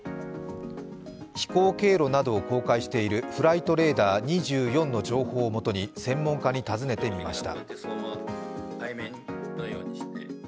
飛行経路などを公開しているフライトレーダー２４の情報をもとに専門家に尋ねてみました。